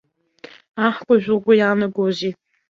Аҳкәажә лгәы иаанагозеи.